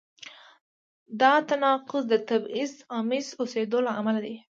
دا تناقض د تبعیض آمیز اوسېدو له امله دی.